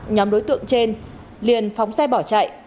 nhóm đối tượng trên liền phóng xe bỏ chạy